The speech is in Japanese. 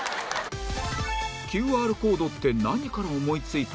ＱＲ コードって何から思いついた？